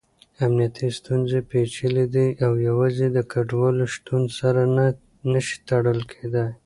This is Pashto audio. امنیتي ستونزې پېچلې دي او يوازې د کډوالو شتون سره نه شي تړل کېدای.